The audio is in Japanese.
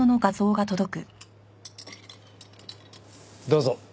どうぞ。